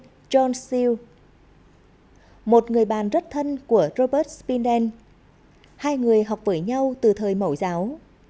tên john seale một người bạn rất thân của robert spindel hai người học với nhau từ thời mẫu giáo